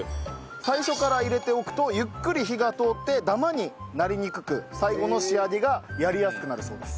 最初から入れておくとゆっくり火が通ってダマになりにくく最後の仕上げがやりやすくなるそうです。